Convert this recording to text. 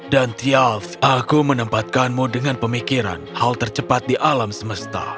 dan thialf aku menempatkanmu dengan pemikiran hal tercepat di alam semesta